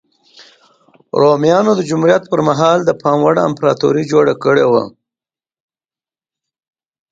رومیانو د جمهوریت پرمهال د پام وړ امپراتوري جوړه کړې وه